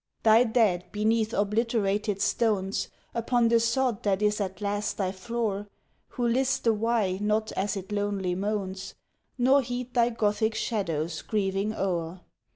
Thy dead beneath obliterated stones Upon the sod that is at last thy floor, Who list the Wye not as it lonely moans Nor heed thy Gothic shadows grieving o'er.